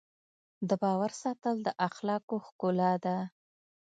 د باور ساتل د اخلاقو ښکلا ده.